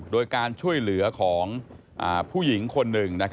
โดยการช่วยเหลือของผู้หญิงคนหนึ่ง